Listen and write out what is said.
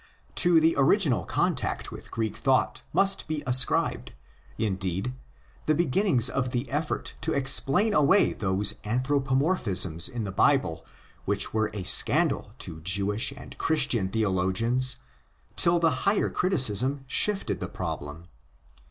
To the original contact with Greek thought must be ascribed, indeed, the beginnings of the effort to explain away those anthropomorphisms in the Bible which were a scandal to Jewish and Christian theologians till the higher criticism shifted the problem.